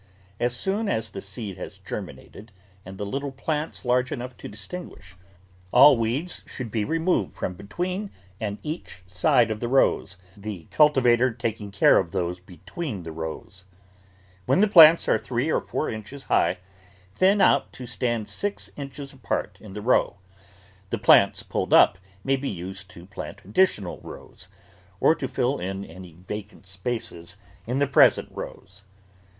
As soon as the seed has germinated and the little plants large enough to distinguish, all weeds should be removed from between and each side of the rows, the cultivator taking care of those between the rows. When the plants are three or four inches high, thin out to stand six inches apart in the row. The plants pulled up may be used to plant addi tional rows or to fill in any vacant places in the present rows.